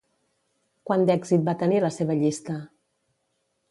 Quant d'èxit va tenir la seva llista?